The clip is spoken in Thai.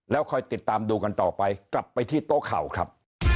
แล้วคอยติดตามดูกันต่อไปกลับไปที่โต๊ะข่าวครับ